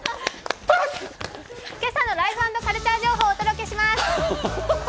今朝の「ライフ＆カルチャー」情報をお届けします。